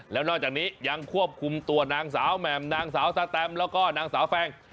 แล้วนอกจากนี้ยังควบคุมตัวนางสาวแหม่มนางสาวสแตมแล้วก็นางสาวแฟง